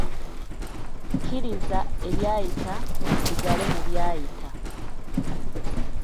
Kkiriza ebyayita bisigale mu byayita.